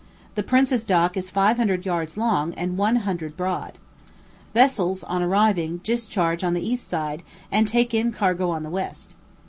The Prince's dock is five hundred yards long, and one hundred broad. Vessels, on arriving, discharge on the east side, and take in cargo on the west.